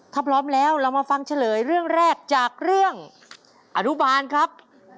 ถ้าพร้อมแล้วเรามาฟังเฉลยเรื่องแรกจากเรื่องอนุบาลครับ